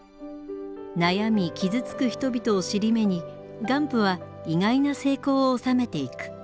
悩み傷つく人々を尻目にガンプは意外な成功を収めていく。